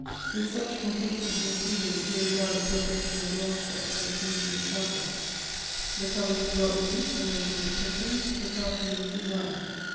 "With such complacency of feeling we regard the prepai'a tion of the Architect for the painting the chapel. The colors were got ready, the measurements taken ; the c:\t tooiis designed.